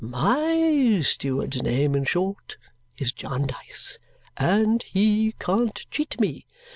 My steward's name, in short, is Jarndyce, and he can't cheat me.